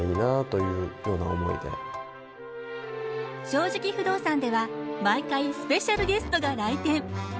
「正直不動産」では毎回スペシャルゲストが来店。